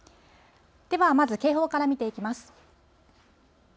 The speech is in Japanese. では、まず警報から見ていきます。